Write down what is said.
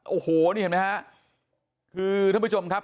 โอ้โหนี่เห็นไหมฮะคือท่านผู้ชมครับ